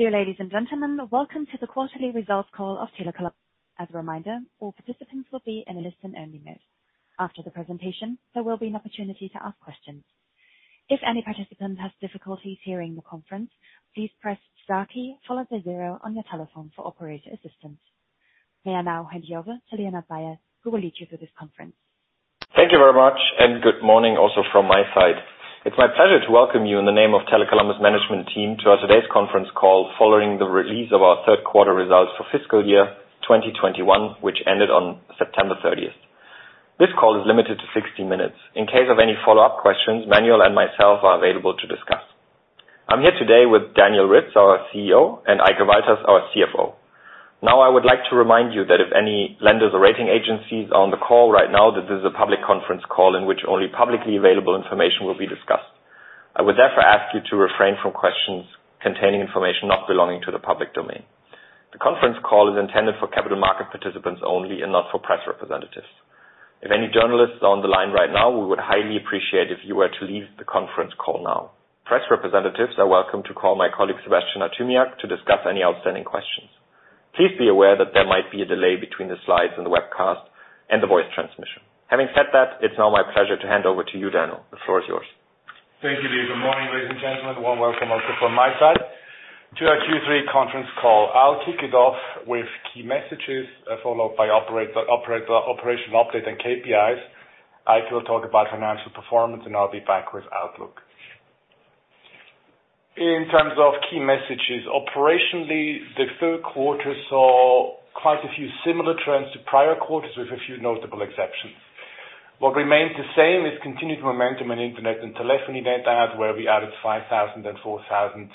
Dear ladies and gentlemen, welcome to the Quarterly Results Call of Tele Columbus. As a reminder, all participants will be in a listen-only mode. After the presentation, there will be an opportunity to ask questions. If any participant has difficulties hearing the conference, please press star key, followed by zero on your telephone for operator assistance. May I now hand you over to Leonhard Bayer, who will lead you through this conference. Thank you very much, and good morning also from my side. It's my pleasure to welcome you in the name of Tele Columbus management team to our today's conference call following the release of our third quarter results for fiscal year 2021, which ended on September 30. This call is limited to 60 minutes. In case of any follow-up questions, Manuel and myself are available to discuss. I'm here today with Daniel Ritz, our CEO, and Eike Walters, our CFO. Now, I would like to remind you that if any lenders or rating agencies are on the call right now, that this is a public conference call in which only publicly available information will be discussed. I would therefore ask you to refrain from questions containing information not belonging to the public domain. The conference call is intended for capital market participants only and not for press representatives. If any journalists are on the line right now, we would highly appreciate if you were to leave the conference call now. Press representatives are welcome to call my colleague, Sebastian Artymiak, to discuss any outstanding questions. Please be aware that there might be a delay between the slides and the webcast and the voice transmission. Having said that, it's now my pleasure to hand over to you, Daniel. The floor is yours. Thank you, Leon. Good morning, ladies and gentlemen. Warm welcome also from my side to our Q3 conference call. I'll kick it off with key messages, followed by operational update and KPIs. Eike will talk about financial performance, and I'll be back with outlook. In terms of key messages, operationally, the third quarter saw quite a few similar trends to prior quarters, with a few notable exceptions. What remains the same is continued momentum in internet and telephony net add, where we added 5,000 and 4,000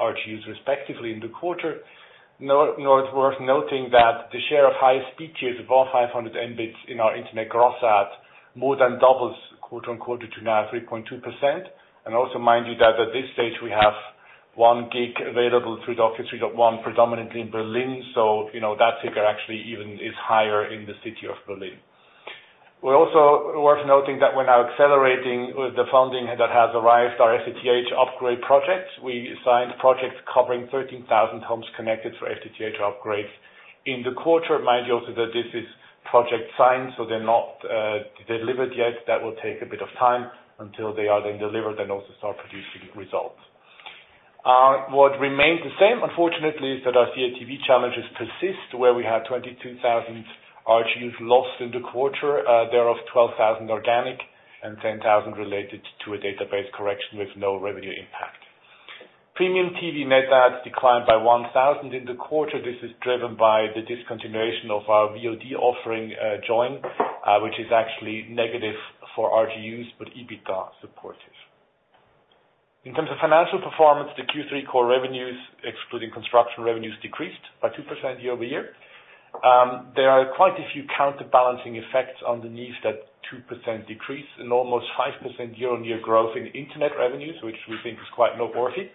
RGUs respectively in the quarter. It's worth noting that the share of high speed tiers above 500 Mbs in our internet gross add more than doubles quarter-over-quarter to now 3.2%. Also mind you that at this stage we have 1 gig available through the office. We got one predominantly in Berlin, so you know that figure actually even is higher in the city of Berlin. We're also worth noting that we're now accelerating with the funding that has arrived, our FTTH upgrade project. We signed projects covering 13,000 homes connected for FTTH upgrades. In the quarter, mind you also that this is projects signed, so they're not delivered yet. That will take a bit of time until they are delivered and also start producing results. What remained the same, unfortunately, is that our CATV challenges persist, where we had 22,000 RGUs lost in the quarter, thereof 12,000 organic and 10,000 related to a database correction with no revenue impact. Premium TV net adds declined by 1,000 in the quarter. This is driven by the discontinuation of our VOD offering, Joyn, which is actually negative for RGUs, but EBITDA supportive. In terms of financial performance, the Q3 core revenues, excluding construction revenues, decreased by 2% year-over-year. There are quite a few counterbalancing effects underneath that 2% decrease and almost 5% year-over-year growth in internet revenues, which we think is quite noteworthy.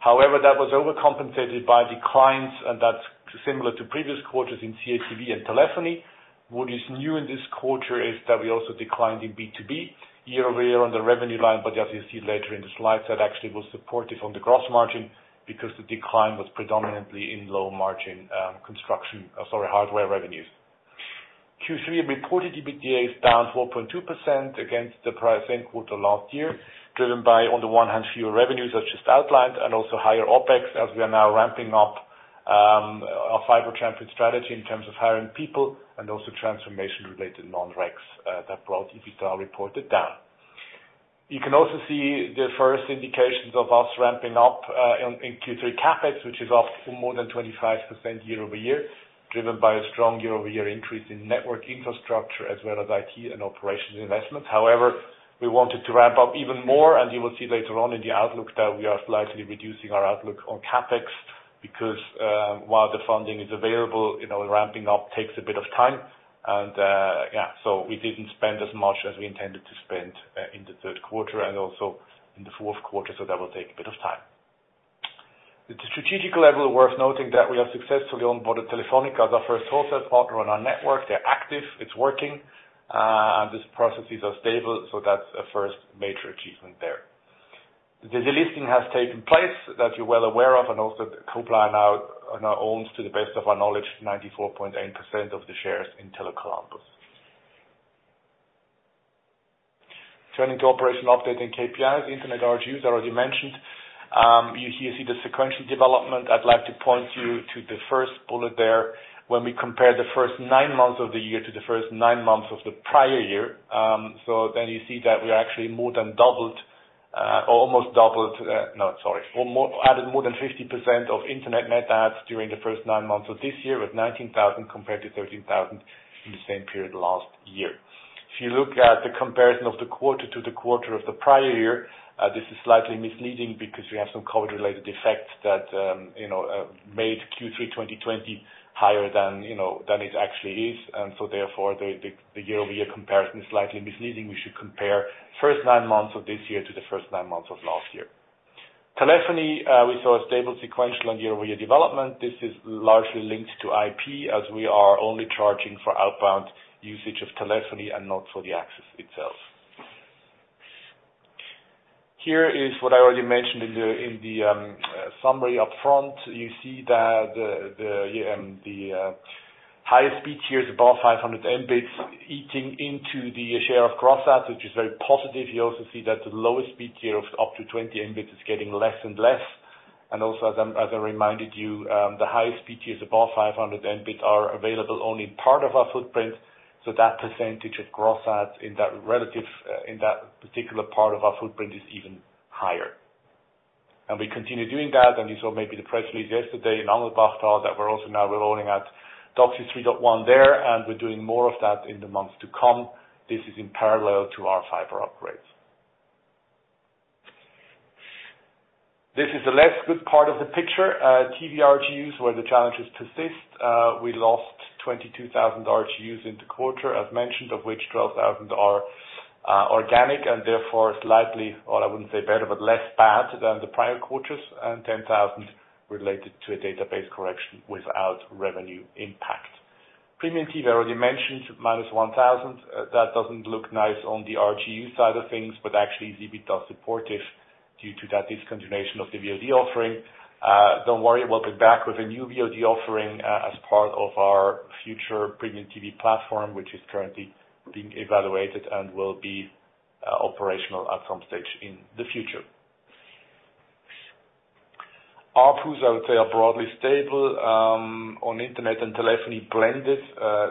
However, that was overcompensated by declines, and that's similar to previous quarters in CATV and telephony. What is new in this quarter is that we also declined in B2B year-over-year on the revenue line, but as you'll see later in the slides, that actually was supportive on the gross margin because the decline was predominantly in low-margin hardware revenues. Q3 reported EBITDA is down 4.2% against the prior same quarter last year, driven by, on the one hand, fewer revenues, as just outlined, and also higher OpEx, as we are now ramping up our fiber-centric strategy in terms of hiring people and also transformation related non-recs that brought EBITDA reported down. You can also see the first indications of us ramping up in Q3 CapEx, which is up more than 25% year-over-year, driven by a strong year-over-year increase in network infrastructure as well as IT and operations investments. However, we wanted to ramp up even more, and you will see later on in the outlook that we are slightly reducing our outlook on CapEx because while the funding is available, you know, ramping up takes a bit of time. We didn't spend as much as we intended to spend in the third quarter and also in the fourth quarter, so that will take a bit of time. At a strategic level, worth noting that we have successfully onboarded Telefónica as our first wholesale partner on our network. They're active, it's working, and these processes are stable, so that's a first major achievement there. The delisting has taken place, that you're well aware of, and also that Kublai now owns, to the best of our knowledge, 94.8% of the shares in Tele Columbus. Turning to operational update and KPIs. Internet RGUs, I already mentioned. You see the sequential development. I'd like to point you to the first bullet there when we compare the first nine months of the year to the first nine months of the prior year. You see that we actually added more than 50% of internet net adds during the first nine months of this year, with 19,000 compared to 13,000 in the same period last year. If you look at the comparison of the quarter to the quarter of the prior year, this is slightly misleading because we have some COVID-related effects that, you know, made Q3 2020 higher than, you know, than it actually is. Therefore, the year-over-year comparison is slightly misleading. We should compare first nine months of this year to the first nine months of last year. Telephony, we saw a stable sequential and year-over-year development. This is largely linked to IP, as we are only charging for outbound usage of telephony and not for the access itself. Here is what I already mentioned in the summary up front. You see that the highest speed tier is above 500 Mbs eating into the share of gross adds, which is very positive. You also see that the lowest speed tier of up to 20 Mbs is getting less and less. Also, as I reminded you, the highest speed tier is above 500 Mbs are available only part of our footprint, so that percentage of gross adds in that particular part of our footprint is even higher. We continue doing that, and you saw maybe the press release yesterday in Angelbachtal that we're also now rolling out DOCSIS 3.1 there, and we're doing more of that in the months to come. This is in parallel to our fiber upgrades. This is the less good part of the picture. TV RGUs, where the challenges persist. We lost 22,000 RGUs in the quarter, as mentioned, of which 12,000 are organic and therefore slightly, or I wouldn't say better, but less bad than the prior quarters, and 10,000 related to a database correction without revenue impact. Premium TV, I already mentioned, -1,000. That doesn't look nice on the RGU side of things, but actually, is EBITDA supportive due to that discontinuation of the VOD offering. Don't worry, we'll be back with a new VOD offering as part of our future premium TV platform, which is currently being evaluated and will be operational at some stage in the future. ARPU, I would say, are broadly stable on internet and telephony blended,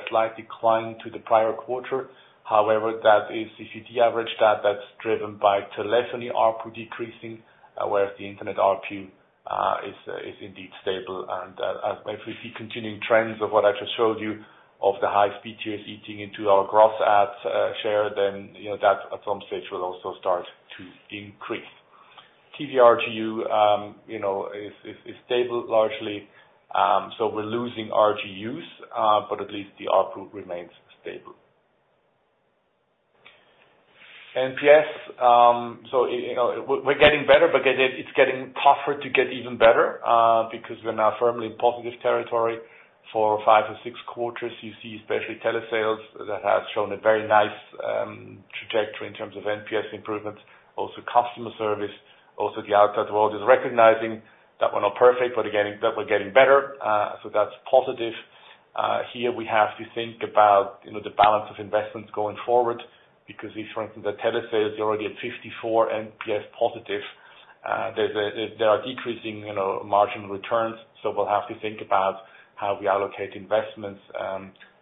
slight decline to the prior quarter. However, that is if you de-average that's driven by telephony ARPU decreasing, whereas the internet ARPU is indeed stable. As we see continuing trends of what I just showed you of the high speed tiers eating into our gross adds share, then you know that at some stage will also start to increase. TV RGU, you know, is stable largely. We're losing RGUs, but at least the ARPU remains stable. NPS, you know, we're getting better, but you get it's getting tougher to get even better, because we're now firmly in positive territory for five or six quarters. You see especially telesales that has shown a very nice trajectory in terms of NPS improvements, also customer service. Also, the outside world is recognizing that we're not perfect, but we're getting better. That's positive. Here we have to think about, you know, the balance of investments going forward because if, for instance, the telesales is already at 54 NPS positive, there are decreasing, you know, marginal returns. We'll have to think about how we allocate investments.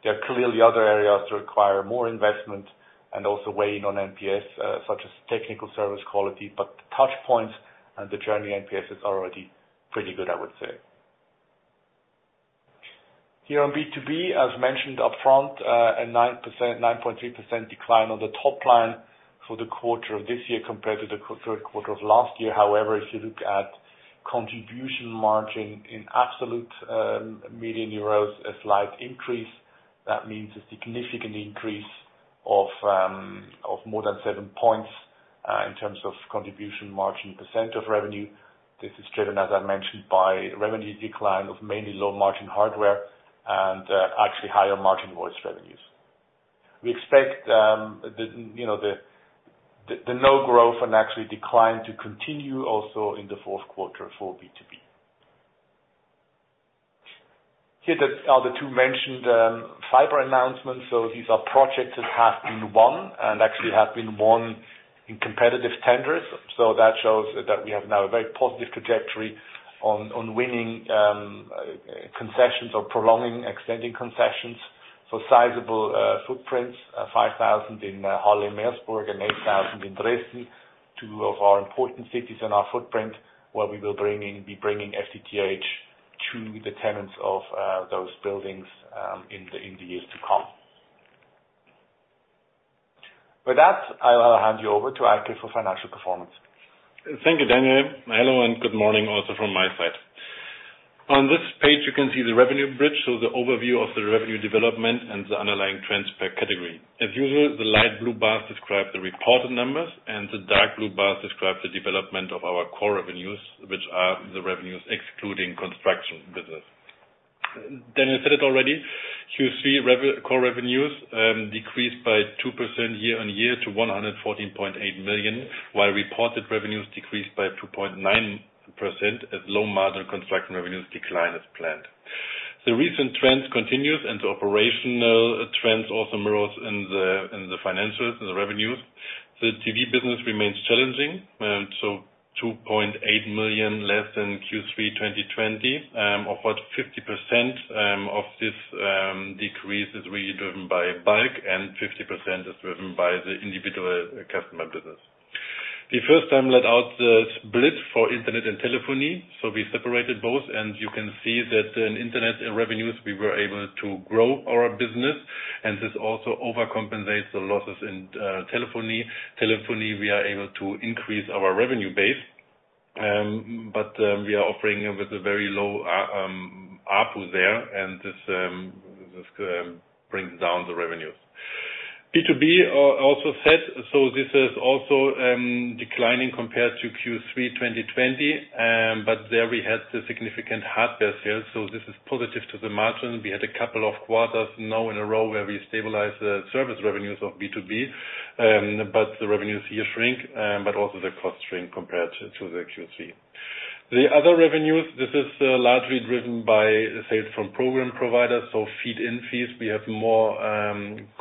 There are clearly other areas that require more investment and also weighing on NPS, such as technical service quality. The touch points and the journey NPS is already pretty good, I would say. Here on B2B, as mentioned upfront, a 9%, 9.3% decline on the top line for the quarter of this year compared to the third quarter of last year. However, if you look at contribution margin in absolute EUR million, a slight increase, that means a significant increase of more than seven points in terms of contribution margin % of revenue. This is driven, as I mentioned, by revenue decline of mainly low-margin hardware and actually higher margin voice revenues. We expect the no growth and actually decline to continue also in the fourth quarter for B2B. Here are the two mentioned fiber announcements. These are projects that have been won and actually have been won in competitive tenders. That shows that we have now a very positive trajectory on winning concessions or prolonging, extending concessions for sizable footprints, 5,000 in Halle-Merseburg and 8,000 in Dresden, two of our important cities in our footprint, where we will be bringing FTTH to the tenants of those buildings in the years to come. With that, I'll hand you over to Eike for financial performance. Thank you, Daniel. Hello, and good morning also from my side. On this page, you can see the revenue bridge, so the overview of the revenue development and the underlying trends per category. As usual, the light blue bars describe the reported numbers, and the dark blue bars describe the development of our core revenues, which are the revenues excluding construction business. Daniel said it already. Q3 core revenues decreased by 2% year-on-year to 114.8 million, while reported revenues decreased by 2.9% as low-margin construction revenues declined as planned. The recent trends continues, and the operational trends also mirrors in the financials and the revenues. The TV business remains challenging, so 2.8 million less than Q3 2020. About 50% of this decrease is really driven by bulk and 50% is driven by the individual customer business. For the first time, we laid out the split for internet and telephony, so we separated both, and you can see that in internet revenues, we were able to grow our business, and this also overcompensates the losses in telephony. In telephony, we are able to increase our revenue base, but we are operating with a very low ARPU there, and this brings down the revenues. B2B also, so this is also declining compared to Q3 2020, but there we had the significant hardware sales, so this is positive for the margin. We had a couple of quarters now in a row where we stabilized the service revenues of B2B, but the revenues here shrink, but also the costs shrink compared to the Q3. The other revenues, this is largely driven by sales from program providers. Feed-in fees, we have more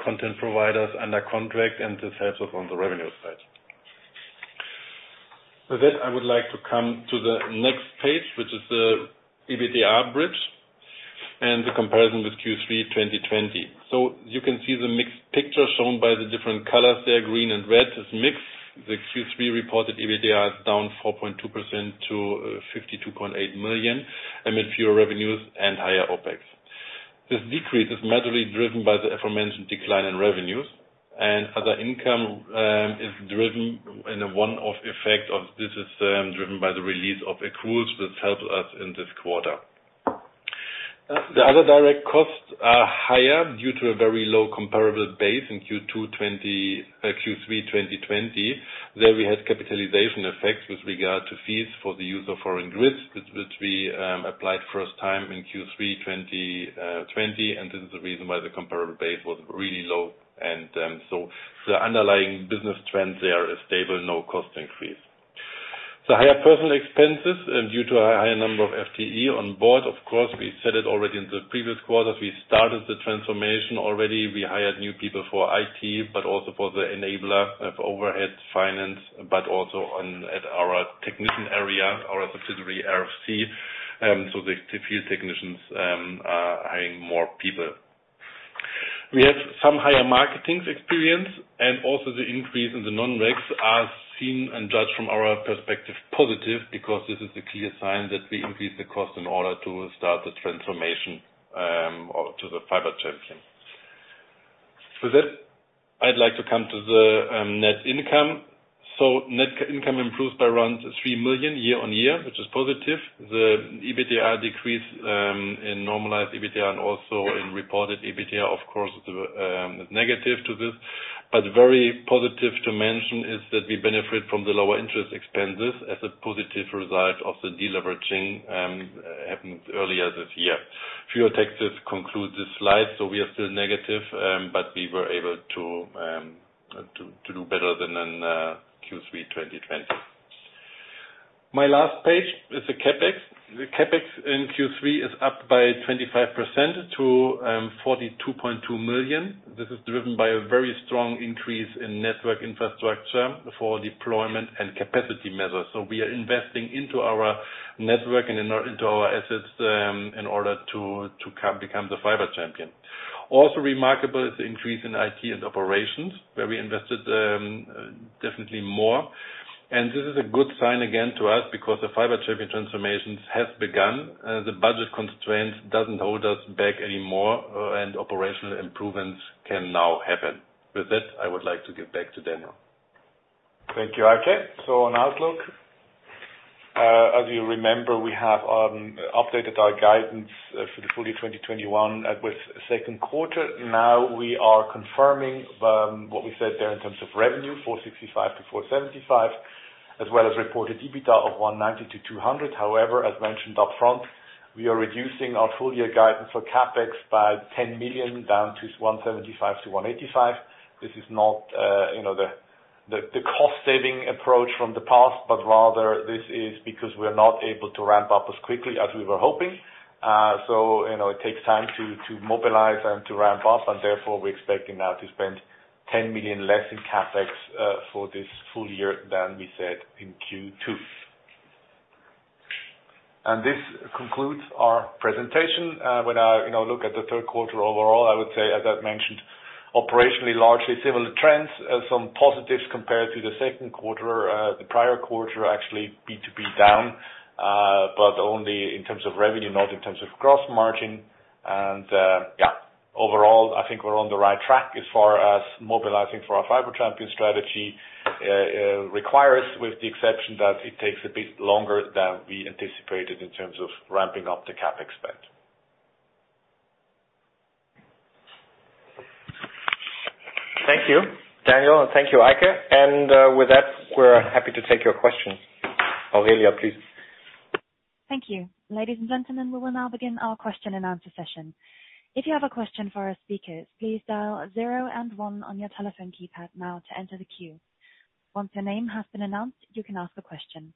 content providers under contract, and this helps us on the revenue side. With that, I would like to come to the next page, which is the EBITDA bridge and the comparison with Q3 2020. You can see the mixed picture shown by the different colors there, green and red. It's mixed. The Q3 reported EBITDA is down 4.2% to 52.8 million amid fewer revenues and higher OpEx. This decrease is majorly driven by the aforementioned decline in revenues and other income, driven by a one-off effect, the release of accruals that helped us in this quarter. The other direct costs are higher due to a very low comparable base in Q3 2020. There we had capitalization effects with regard to fees for the use of foreign grids, which we applied first time in Q3 2020, and this is the reason why the comparable base was really low. The underlying business trends there are stable, no cost increase. The higher personnel expenses are due to a higher number of FTE on board, of course. We said it already in the previous quarters. We started the transformation already. We hired new people for IT, but also for the enabler of overhead finance, but also at our technician area, our subsidiary, RFC. The field technicians are hiring more people. We have some higher marketing experience and also the increase in the non-recurring items are seen and judged from our perspective, positive, because this is a clear sign that we increase the cost in order to start the transformation, or to the fiber champion. For that, I'd like to come to the net income. Net income improved by around 3 million year-on-year, which is positive. The EBITDA decreased in normalized EBITDA and also in reported EBITDA, of course, negative to this. But very positive to mention is that we benefit from the lower interest expenses as a positive result of the deleveraging happened earlier this year. Fewer taxes conclude this slide, so we are still negative, but we were able to to do better than in Q3 2020. My last page is the CapEx. The CapEx in Q3 is up by 25% to 42.2 million. This is driven by a very strong increase in network infrastructure for deployment and capacity measures. We are investing into our network and into our assets in order to become the fiber champion. Also remarkable is the increase in IT and operations, where we invested definitely more. This is a good sign again to us because the fiber champion transformations have begun. The budget constraint doesn't hold us back anymore, and operational improvements can now happen. With that, I would like to give back to Daniel. Thank you, Eike. On outlook, as you remember, we have updated our guidance for the full year 2021 with second quarter. Now we are confirming what we said there in terms of revenue, 465 million-475 million, as well as reported EBITDA of 190 million-200 million. However, as mentioned up front, we are reducing our full year guidance for CapEx by 10 million, down to 175 million-185 million. This is not, you know, the cost saving approach from the past, but rather this is because we're not able to ramp up as quickly as we were hoping. You know, it takes time to mobilize and to ramp up, and therefore we're expecting now to spend 10 million less in CapEx for this full year than we said in Q2. This concludes our presentation. When I, you know, look at the third quarter overall, I would say, as I've mentioned, operationally largely similar trends. Some positives compared to the second quarter. The prior quarter actually B2B down, but only in terms of revenue, not in terms of gross margin. Yeah, overall, I think we're on the right track as far as mobilizing for our fiber champion strategy requires, with the exception that it takes a bit longer than we anticipated in terms of ramping up the CapEx spend. Thank you, Daniel, and thank you, Eike. With that, we're happy to take your questions. Operator, please. Thank you. Ladies and gentlemen, we will now begin our question and answer session. If you have a question for our speakers, please dial zero and one on your telephone keypad now to enter the queue. Once your name has been announced, you can ask a question.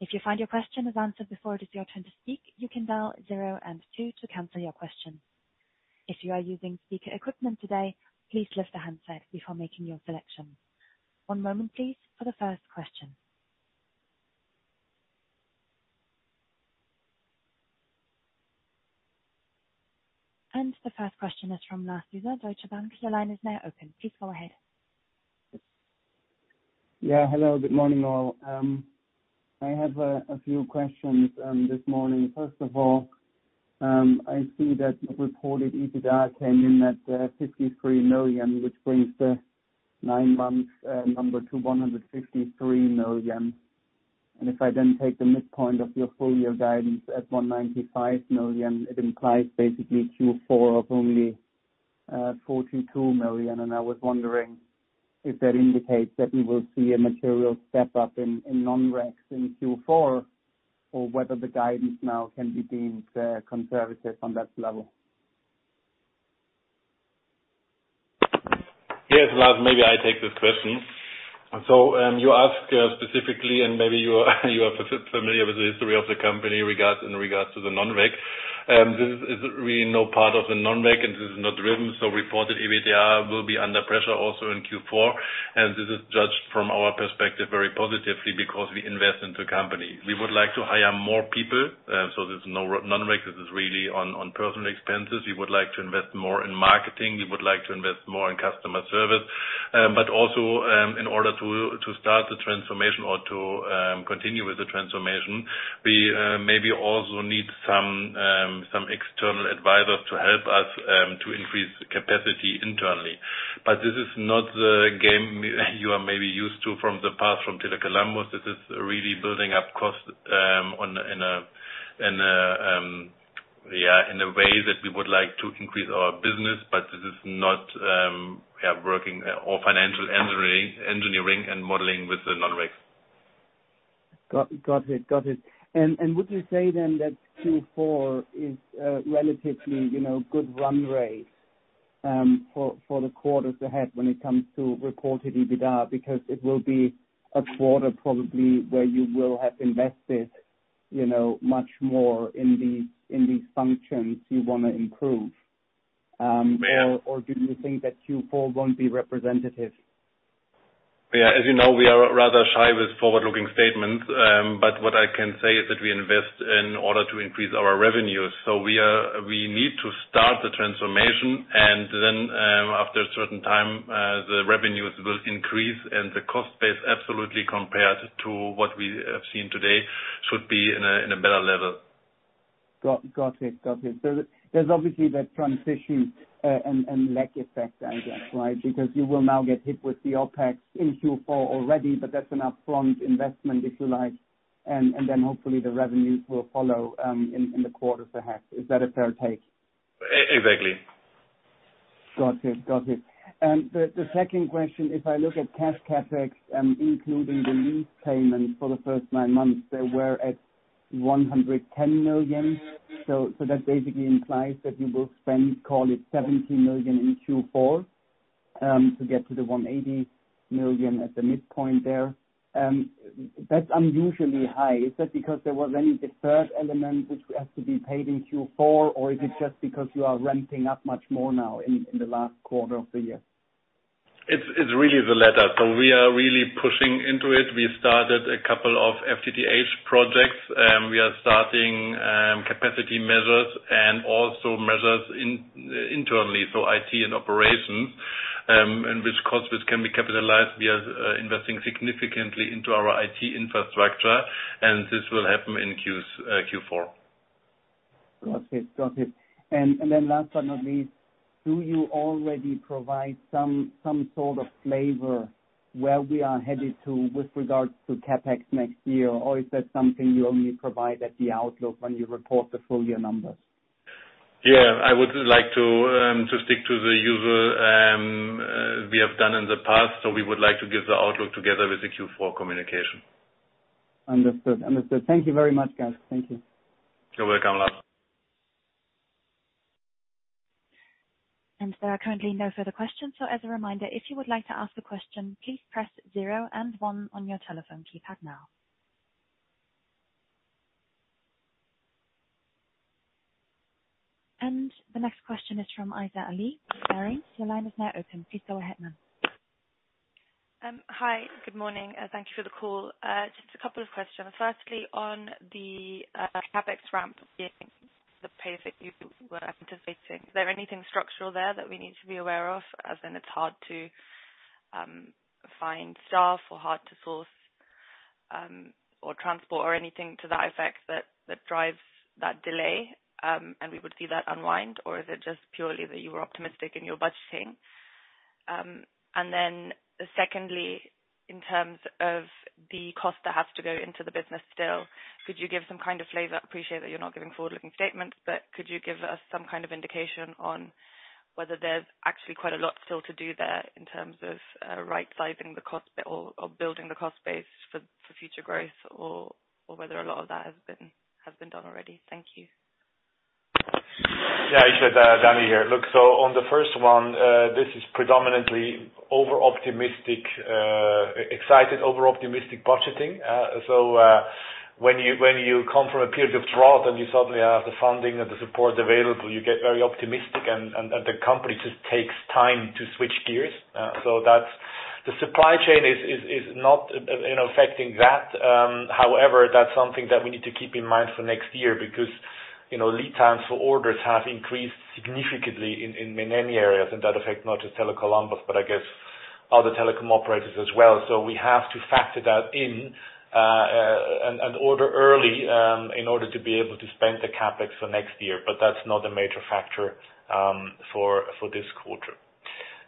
If you find your question is answered before it is your turn to speak, you can dial zero and two to cancel your question. If you are using speaker equipment today, please lift the handset before making your selection. One moment please for the first question. The first question is from Lars Süße, Deutsche Bank. Your line is now open. Please go ahead. Yeah. Hello, good morning, all. I have a few questions this morning. First of all, I see that the reported EBITDA came in at 53 million, which brings the nine months number to 153 million. If I then take the midpoint of your full year guidance at 195 million, it implies basically Q4 of only 42 million. I was wondering if that indicates that we will see a material step up in non-recurring items in Q4, or whether the guidance now can be deemed conservative on that level? Yes, Lars, maybe I take this question. You ask specifically, and maybe you are familiar with the history of the company regards, in regards to the non-reg. This is really no part of the non-reg, and this is not driven, so reported EBITDA will be under pressure also in Q4. This is judged from our perspective very positively because we invest into company. We would like to hire more people, there's no non-reg. This is really on personnel expenses. We would like to invest more in marketing. We would like to invest more in customer service. In order to start the transformation or to continue with the transformation, we maybe also need some external advisors to help us to increase capacity internally. This is not the game you are maybe used to from the past, from Tele Columbus. This is really building up cost in a way that we would like to increase our business, but this is not working or financial engineering and modeling with the non-recurring. Got it. Would you say then that Q4 is a relatively, you know, good run rate for the quarters ahead when it comes to reported EBITDA? Because it will be a quarter probably where you will have invested, you know, much more in these functions you wanna improve. Or do you think that Q4 won't be representative? Yeah. As you know, we are rather shy with forward-looking statements. What I can say is that we invest in order to increase our revenues. We need to start the transformation, and then, after a certain time, the revenues will increase and the cost base, absolutely compared to what we have seen today, should be in a better level. Got it. There's obviously that transition and lag effect then, right? Because you will now get hit with the OpEx in Q4 already, but that's an upfront investment, if you like, and then hopefully the revenues will follow in the quarters ahead. Is that a fair take? E-exactly. Got it. The second question, if I look at cash CapEx, including the lease payments for the first nine months, they were at 110 million. That basically implies that you will spend, call it 70 million in Q4, to get to the 180 million at the midpoint there. That's unusually high. Is that because there was any deferred element which has to be paid in Q4? Or is it just because you are ramping up much more now in the last quarter of the year? It's really the latter. We are really pushing into it. We started a couple of FTTH projects. We are starting capacity measures and also measures internally, so IT and operations, and which costs can be capitalized. We are investing significantly into our IT infrastructure, and this will happen in Q4. Got it. Last but not least, do you already provide some sort of flavor where we are headed to with regards to CapEx next year? Or is that something you only provide at the outlook when you report the full year numbers? Yeah. I would like to stick to the usual we have done in the past. We would like to give the outlook together with the Q4 communication. Understood. Thank you very much, guys. Thank you. You're welcome, Lars. There are currently no further questions. As a reminder, if you would like to ask a question, please press zero and one on your telephone keypad now. The next question is from Aaiza Ali of Barings. Your line is now open. Please go ahead, ma'am. Hi. Good morning. Thank you for the call. Just a couple of questions. Firstly, on the CapEx ramp being the pace that you were anticipating, is there anything structural there that we need to be aware of, as in it's hard to find staff or hard to source or transport or anything to that effect that drives that delay, and we would see that unwind? Or is it just purely that you were optimistic in your budgeting? Secondly, in terms of the cost that has to go into the business still, could you give some kind of flavor? I appreciate that you're not giving forward-looking statements, but could you give us some kind of indication on whether there's actually quite a lot still to do there in terms of right sizing the cost base for future growth, or whether a lot of that has been done already? Thank you. Yeah. Aaisa, Danny here. Look, on the first one, this is predominantly over-optimistic budgeting. When you come from a period of drought and you suddenly have the funding and the support available, you get very optimistic and the company just takes time to switch gears. The supply chain is not, you know, affecting that. However, that's something that we need to keep in mind for next year because, you know, lead times for orders have increased significantly in many areas, and that affects not just Tele Columbus, but I guess other telecom operators as well. We have to factor that in and order early in order to be able to spend the CapEx for next year. That's not a major factor for this quarter.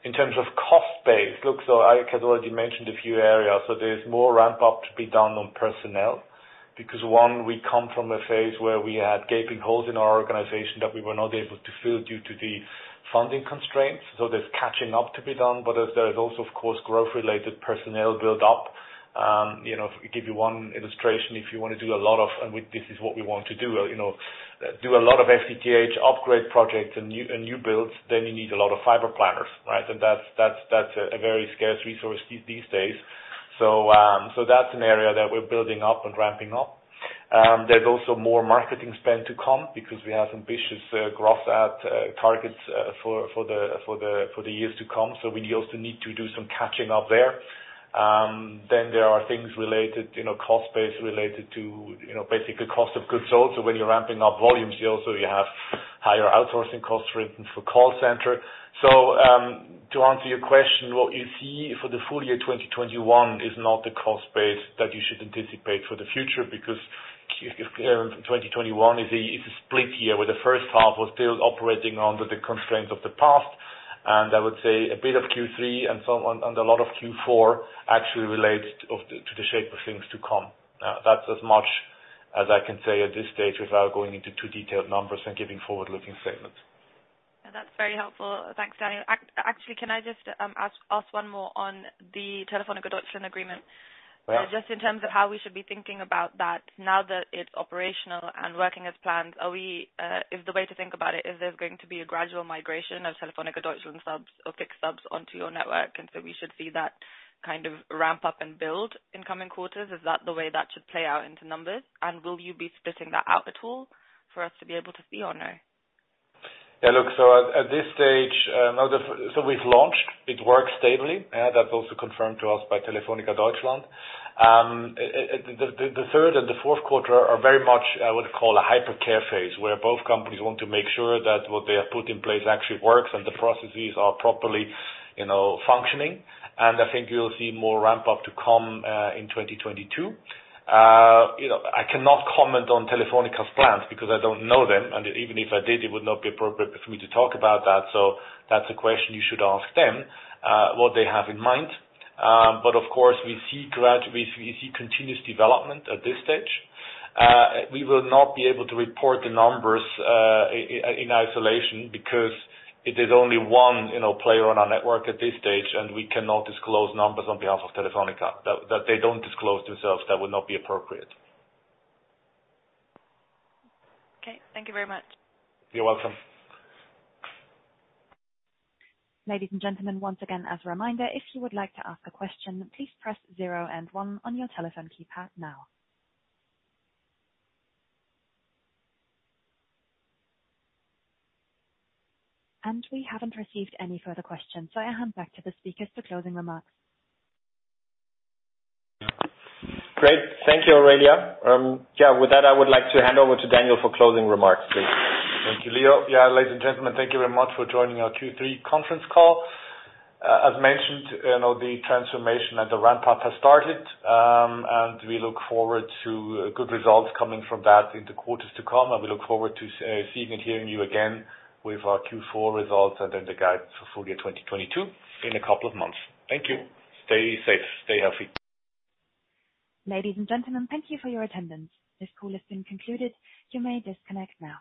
In terms of cost base. Look, Eike has already mentioned a few areas. There's more ramp-up to be done on personnel, because, one, we come from a phase where we had gaping holes in our organization that we were not able to fill due to the funding constraints. There's catching up to be done. There is also, of course, growth-related personnel build-up. You know, to give you one illustration, if you want to do a lot of, this is what we want to do, you know, do a lot of FTTH upgrade projects and new builds, then you need a lot of fiber planners, right? That's a very scarce resource these days. So that's an area that we're building up and ramping up. There's also more marketing spend to come because we have ambitious growth targets for the years to come. So we also need to do some catching up there. Then there are things related, you know, cost base related to, you know, basically cost of goods sold. So when you're ramping up volumes, you have higher outsourcing costs, for instance, for call center. To answer your question, what you see for the full year 2021 is not the cost base that you should anticipate for the future, because Q2 2021 is a split year where the first half was still operating under the constraints of the past. I would say a bit of Q3 and so on, and a lot of Q4 actually relates to the shape of things to come. That's as much as I can say at this stage without going into too detailed numbers and giving forward-looking statements. That's very helpful. Thanks, Daniel. Actually, can I just ask one more on the Telefónica Deutschland agreement? Yeah. Just in terms of how we should be thinking about that now that it's operational and working as planned. Are we, is the way to think about it, is there going to be a gradual migration of Telefónica Deutschland subs or fixed subs onto your network, and so we should see that kind of ramp up and build in coming quarters? Is that the way that should play out into numbers? Will you be splitting that out at all for us to be able to see or no? Yeah, look. At this stage, now so we've launched, it works stably. That's also confirmed to us by Telefónica Deutschland. The third and the fourth quarter are very much, I would call a hyper-care phase, where both companies want to make sure that what they have put in place actually works and the processes are properly, you know, functioning. I think you'll see more ramp up to come in 2022. You know, I cannot comment on Telefónica's plans because I don't know them, and even if I did, it would not be appropriate for me to talk about that. That's a question you should ask them, what they have in mind. But of course, we see continuous development at this stage. We will not be able to report the numbers in isolation because it is only one, you know, player on our network at this stage, and we cannot disclose numbers on behalf of Telefónica that they don't disclose themselves. That would not be appropriate. Okay. Thank you very much. You're welcome. Ladies and gentlemen, once again, as a reminder, if you would like to ask a question, please press zero and one on your telephone keypad now. We haven't received any further questions, so I hand back to the speakers for closing remarks. Great. Thank you, Operator. Yeah. With that, I would like to hand over to Daniel for closing remarks, please. Thank you, Leo. Yeah. Ladies and gentlemen, thank you very much for joining our Q3 conference call. As mentioned, you know, the transformation and the ramp path has started, and we look forward to good results coming from that in the quarters to come. We look forward to seeing and hearing you again with our Q4 results and then the guide for full year 2022 in a couple of months. Thank you. Stay safe, stay healthy. Ladies and gentlemen, thank you for your attendance. This call has been concluded. You may disconnect now.